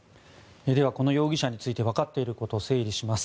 この容疑者について分かっていることを整理します。